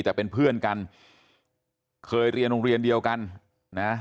แต่เป็นเพื่อนกันเคยเรียนโรงเรียนเดียวกันนะ